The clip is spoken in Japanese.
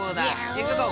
いくぞ！